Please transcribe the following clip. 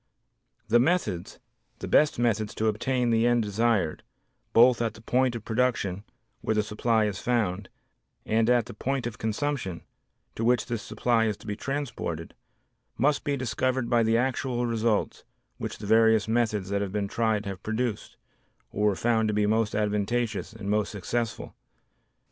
The methods, the best methods to obtain the end desired, both at the point of production, where the supply is found, and at the point of consumption to which this supply is to be transported, must be discovered by the actual results which the various methods that have been tried have produced, or were found to be most advantageous and most successful.